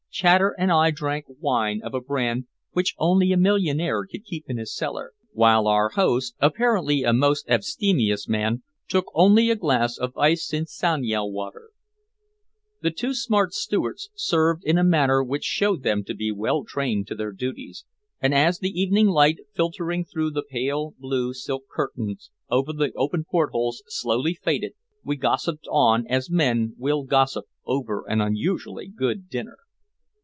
Chater and I drank wine of a brand which only a millionaire could keep in his cellar, while our host, apparently a most abstemious man, took only a glass of iced Cinciano water. The two smart stewards served in a manner which showed them to be well trained to their duties, and as the evening light filtering through the pale blue silk curtains over the open port holes slowly faded, we gossiped on as men will gossip over an unusually good dinner.